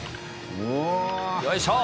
よいしょ！